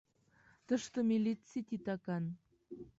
Тыште милиций титакан.